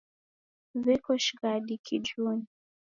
W'eko shighadi kijunyi.